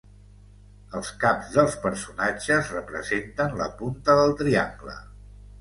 Els caps dels personatges representen la punta del triangle.